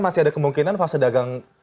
masih ada kemungkinan fase dagang